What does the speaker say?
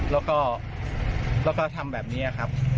แล้วก็แล้วก็ทำแบบนี้อะครับ